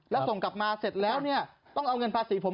แล้วส่งกลับมาเสร็จแล้วเนี่ยต้องเอาเงินภาษีผม